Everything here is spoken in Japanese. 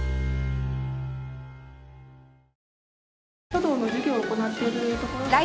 書道の授業を行っているところ。